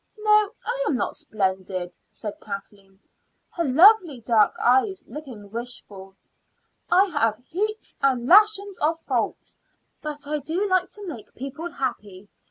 "No, I am not splendid," said Kathleen, her lovely dark eyes looking wistful. "I have heaps and lashons of faults; but I do like to make people happy.